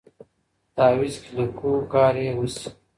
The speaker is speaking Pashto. تعويذ كي ليكو كار يـې وسـي